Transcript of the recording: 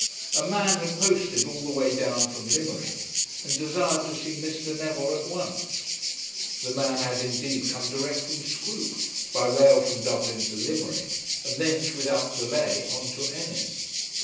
A man had posted all the way down from Limerick and desired to see Mr. Neville at once. The man had indeed come direct from Scroope, by rail from Dublin to Limerick, and thence without delay on to Ennis.